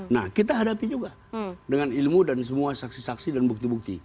nah kita hadapi juga dengan ilmu dan semua saksi saksi dan bukti bukti